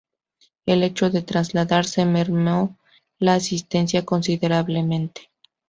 El hecho de trasladarse mermó la asistencia considerablemente.